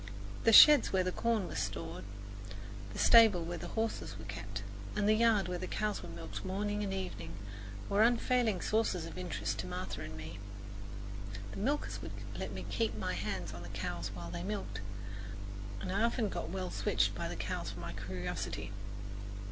The sheds where the corn was stored, the stable where the horses were kept, and the yard where the cows were milked morning and evening were unfailing sources of interest to Martha and me. The milkers would let me keep my hands on the cows while they milked, and I often got well switched by the cow for my curiosity.